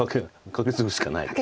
カケツグしかない。